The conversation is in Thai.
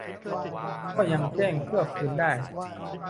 ก็ยังแจ้งเพื่อคืนได้